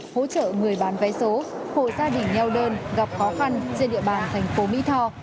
hỗ trợ người bán vé số hộ gia đình nheo đơn gặp khó khăn trên địa bàn thành phố mỹ tho